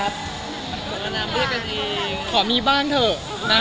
พอมีบ้านเถอะ